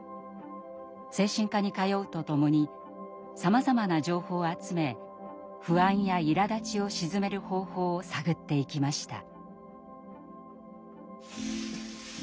精神科に通うとともにさまざまな情報を集め不安やいらだちをしずめる方法を探っていきました。